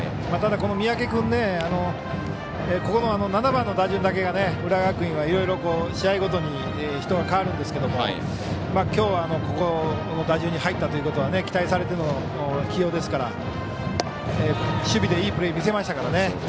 ただ、三宅君ここの７番の打順だけが浦和学院はいろいろ試合ごとに人が変わるんですけどもきょうは、ここの打順に入ったということは期待されての起用ですから守備でいいプレー見せましたからね。